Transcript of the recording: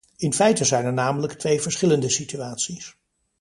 In feite zijn er namelijk twee verschillende situaties.